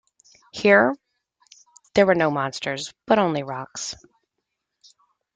Here, there were no monsters but only rocks.